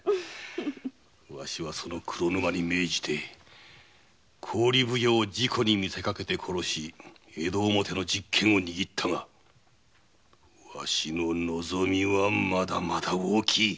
わしはその黒沼に命じて郡奉行を事故にみせかけて殺し江戸表の実権を握ったがわしの望みはまだまだ大きい。